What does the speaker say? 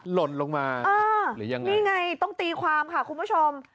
หล่นลงมาหรือยังไงนี่ไงต้องตีความค่ะคุณผู้ชม